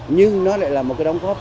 nhưng nó lại là một cái đóng góp tất cả